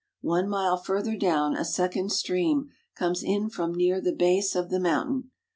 One mile further down a second stream comes in from near the base of the mountain.